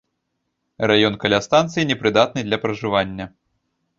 Раён каля станцыі непрыдатны для пражывання.